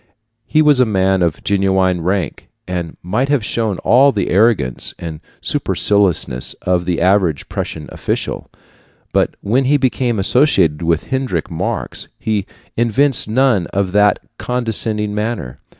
He was a man of genuine rank, and might have shown all the arrogance and superciliousness of the average Prussian official; but when he became associated with Heinrich Marx he evinced none of that condescending manner.